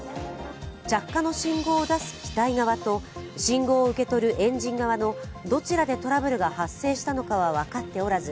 着火の信号を出す機体側と信号を受け取るエンジン側でどちらでトラブルが発生したのかは分かっておらず